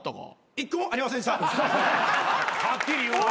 １個もありませんでした。